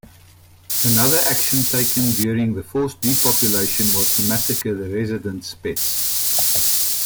Another action taken during the forced depopulation was to massacre the residents' pets.